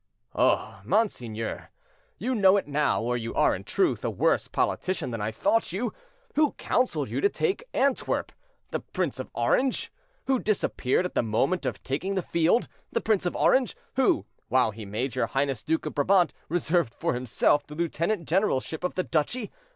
"Oh! monseigneur, you know it now, or you are, in truth, a worse politician than I thought you. Who counseled you to take Antwerp?—the Prince of Orange. Who disappeared at the moment of taking the field?—the Prince of Orange. Who, while he made your highness Duke of Brabant, reserved for himself the lieutenant generalship of the duchy?